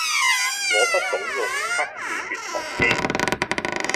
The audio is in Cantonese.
我不懂用測試血糖機